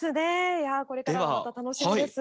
いやこれからもまた楽しみです。